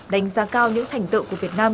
đánh giá cao những thành tựu của việt nam